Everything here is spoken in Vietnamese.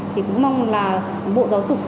thì cũng mong là bộ giáo dục